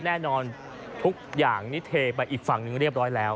แน่นอนทุกอย่างนี่เทไปอีกฝั่งหนึ่งเรียบร้อยแล้ว